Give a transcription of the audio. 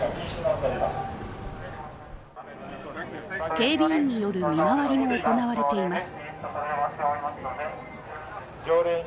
警備員による見回りも行われています。